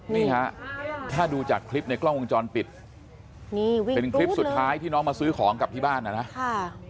นี่ฮะถ้าดูจากคลิปในกล้องวงจรปิดนี่วิ่งเป็นคลิปสุดท้ายที่น้องมาซื้อของกับที่บ้านนะนะ